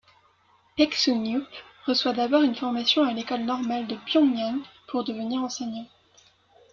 Paek Sun-yup reçoit d'abord une formation à l'école normale de Pyongyang pour devenir enseignant.